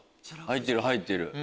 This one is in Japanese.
入ってる入ってる。